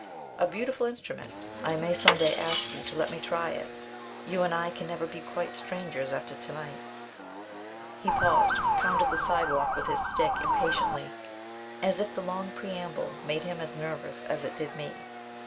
"A beautiful instrument. I may some day ask you to let me try it you and I can never be quite strangers after to night." He paused, pounded the side walk with his stick, impatiently, as if the long preamble made him as nervous as it did me.